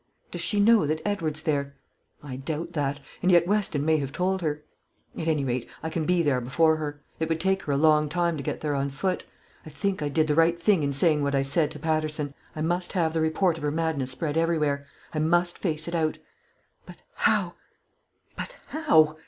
Does she know that Edward's there? I doubt that; and yet Weston may have told her. At any rate, I can be there before her. It would take her a long time to get there on foot. I think I did the right thing in saying what I said to Peterson. I must have the report of her madness spread everywhere. I must face it out. But how but how?